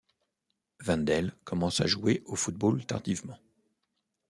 Wendel commence à jouer au football tardivement.